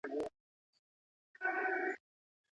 ایا نوي کروندګر بادام صادروي؟